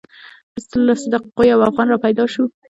وروسته له لسو دقیقو یو افغان را پیدا شو.